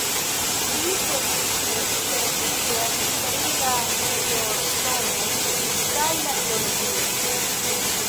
Li precipe interesiĝas pri la meteorŝtonoj kaj la geologio.